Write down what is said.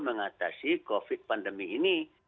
mengatasi covid sembilan belas ini